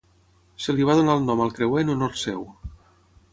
Se li va donar el nom al creuer en honor seu.